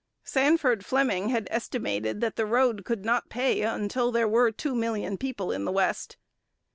Sandford Fleming had estimated that the road could not pay until there were two million people in the West.